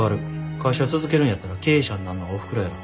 会社続けるんやったら経営者になんのはおふくろやろ。